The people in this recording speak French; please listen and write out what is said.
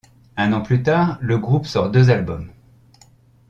Un an plus tard, le groupe sort deux albums.